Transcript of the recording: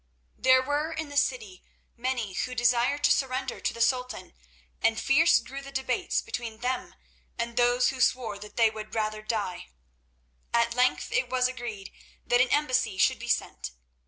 There were in the city many who desired to surrender to the Sultan, and fierce grew the debates between them and those who swore that they would rather die. At length it was agreed that an embassy should be sent.